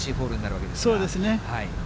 そうですね。